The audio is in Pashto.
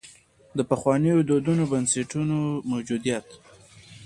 د پخوانیو دودیزو بنسټونو موجودیت.